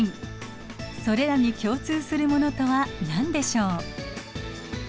それらに共通するものとは何でしょう？